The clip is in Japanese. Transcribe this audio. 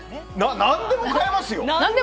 何でも買えますよ。